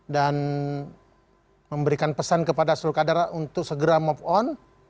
dan memberikan pesan kepada seluruh kadara untuk segera move on